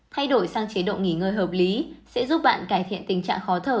thay đổi sang chế độ nghỉ ngơi hợp lý sẽ giúp bạn cải thiện tình trạng khó thở